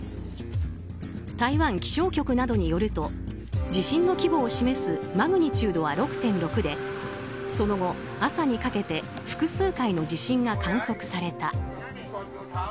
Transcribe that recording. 台湾気象局などによると地震の規模を示すマグニチュードは６．６でその後、朝にかけて複数回の地震が観測された。